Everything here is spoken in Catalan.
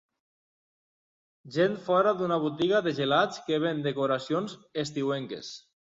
Gent fora d'una botiga de gelats que ven decoracions estiuenques.